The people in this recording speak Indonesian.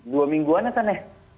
dua mingguan akan ya